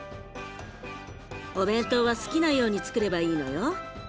お弁当は好きなようにつくればいいのよ。